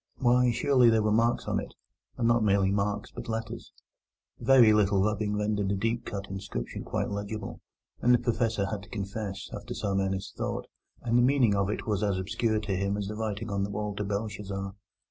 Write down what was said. Why, surely there were marks on it, and not merely marks, but letters! A very little rubbing rendered the deeply cut inscription quite legible, but the Professor had to confess, after some earnest thought, that the meaning of it was as obscure to him as the writing on the wall to Belshazzar.